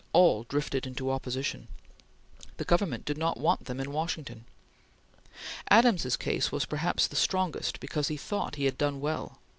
All drifted into opposition. The Government did not want them in Washington. Adams's case was perhaps the strongest because he thought he had done well.